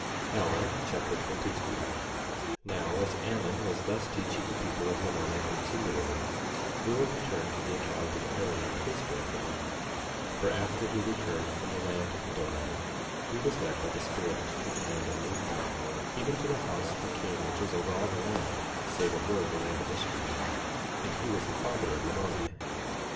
Alma Chapter 22 22:1 Now, as Ammon was thus teaching the people of Lamoni continually, we will return to the account of Aaron and his brethren; for after he departed from the land of Middoni he was led by the Spirit to the land of Nephi, even to the house of the king which was over all the land save it were the land of Ishmael; and he was the father of Lamoni.